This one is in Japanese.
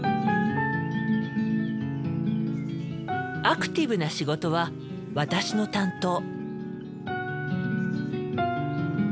アクティブな仕事は私の担当。